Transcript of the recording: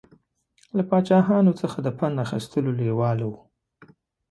له پاچاهانو څخه د پند اخیستلو لېواله و.